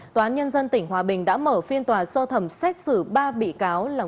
tòa án nhân dân tỉnh hòa bình đã mở phiên tòa sơ thẩm xét xử ba bị cáo là